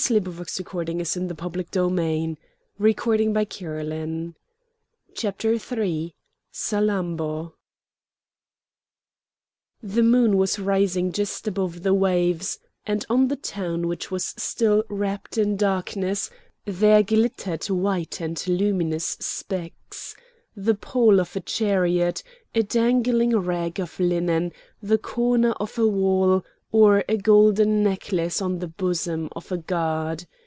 Matho bounded upon the horse which the slave held at the door. CHAPTER III Salammbô The moon was rising just above the waves, and on the town which was still wrapped in darkness there glittered white and luminous specks:—the pole of a chariot, a dangling rag of linen, the corner of a wall, or a golden necklace on the bosom of a god.